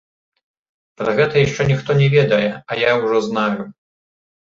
Пра гэта яшчэ ніхто не ведае, а я ўжо знаю.